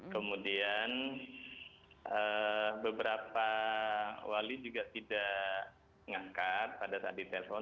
kemudian beberapa wali juga tidak mengangkat pada saat ditelepon